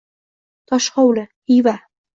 Toshxovli Xiva